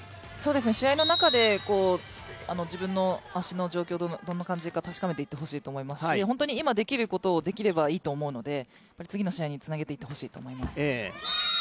試合の中で自分の足の状況どんな感じか確かめていってほしいと思いますし本当に今できることをできればいいと思うので次の試合につなげていってほしいと思います。